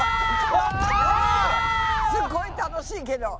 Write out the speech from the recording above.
すごい楽しいけど。